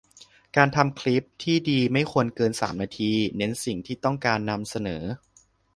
การทำคลิปที่ดีไม่ควรเกิน สาม นาทีเน้นสิ่งที่ต้องการนำเสนอ